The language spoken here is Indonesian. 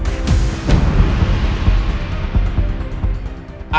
ada orang yang menangkapnya